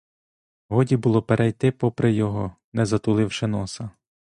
Годі було перейти попри його; не затуливши носа.